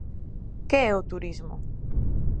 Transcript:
Que é o turismo?